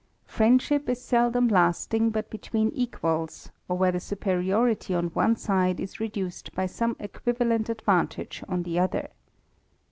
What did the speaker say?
Friendship is seldom lasting but between equals, c where the superiority on one side is reduced by ! equivalent advantage on the other.